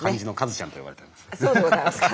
そうでございますか。